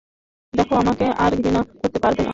দেখো, আমাকে আর তাঁকে ঘৃণা করতে হবে না।